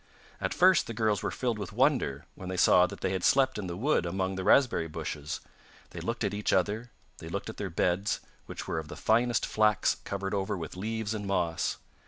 At first the girls were filled with wonder when they saw that they had slept in the wood among the raspberry bushes. They looked at each other, they looked at their beds, which were of the finest flax covered over with leaves and moss.